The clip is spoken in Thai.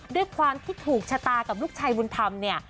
ด้วยความที่ถูกชะตากับลูกชายบุญธรรมเนี่ย